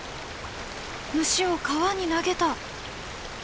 虫を川に投げた。